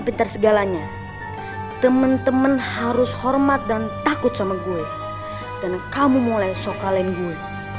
pintar segalanya temen temen harus hormat dan takut sama gue dan kamu mulai sokalin gue